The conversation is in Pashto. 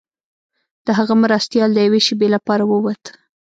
د هغه مرستیال د یوې شیبې لپاره ووت.